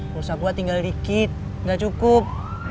bisa gua tinggal dikit gak cukup